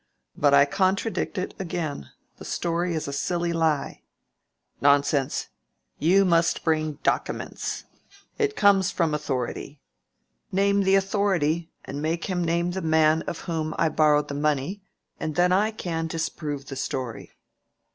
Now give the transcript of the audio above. "But I contradict it again. The story is a silly lie." "Nonsense! you must bring dockiments. It comes from authority." "Name the authority, and make him name the man of whom I borrowed the money, and then I can disprove the story."